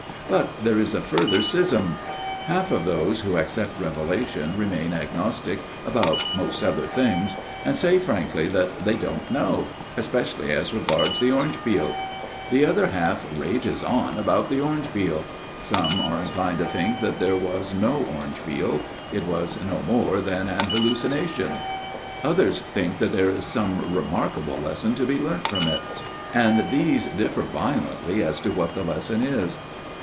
But there is a further schism. Half of those who accept revelation remain agnos tic about most other things, and say frankly that they don't know especially as regards the orange peel. The other half rages on about the orange peel ; some are inclined to think that there was no orange peel it was no more than an hallucination. PROLOGUE 9 Others think that there is some remarkable lesson to be learnt from it, and these differ vio lently as to what the lesson is.